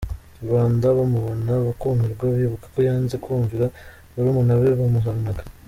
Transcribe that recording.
Rubanda bamubona bakumirwa bibuka ko yanze kumvira barumuna be bamuhanaga.